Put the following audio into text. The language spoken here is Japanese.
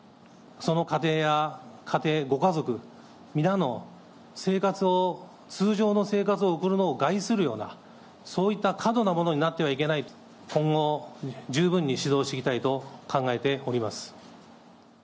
その家庭やご家族、皆の生活を、通常の生活を送るのを害するような、そういった過度なものになってはいけないと、今後、十分に指導していきたいと考えております。